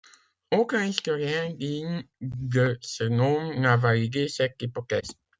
Aucun historien digne de ce nom n'a validé cette hypothèse.